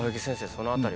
その辺りは？